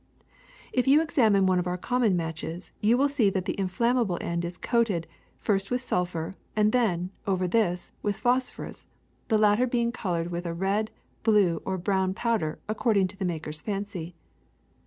^^' If you examine one of our common matches you will see that the inflammable end is coated, first with sulphur, and then, over this, with phosphorus, the latter being colored with a red, blue, or brown powder, according to the maker's fancy.